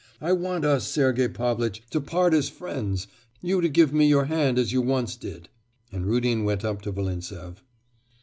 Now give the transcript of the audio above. I want us, Sergei Pavlitch, to part as friends... you to give me your hand as you once did.' And Rudin went up to Volintsev.